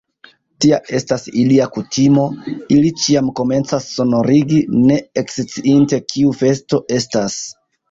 Tia estas ilia kutimo; ili ĉiam komencas sonorigi, ne eksciinte, kiu festo estas!